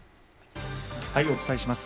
お伝えします。